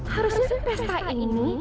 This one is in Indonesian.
harusnya pesta ini